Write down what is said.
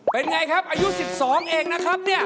เป็นอย่างไรครับอายุ๑๒เองนะครับ